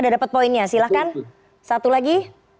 sudah dapat poinnya silahkan satu lagi